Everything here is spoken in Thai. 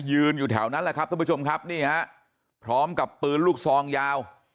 อยู่แถวนั้นแหละครับท่านผู้ชมครับนี่ฮะพร้อมกับปืนลูกซองยาว